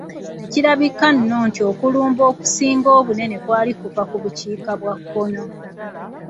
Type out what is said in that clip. Ne kirabika nno nti okulumba okusinga obunene kwali kuva ku bukiika bwa kkono.